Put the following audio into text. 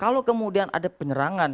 kalau kemudian ada penyerangan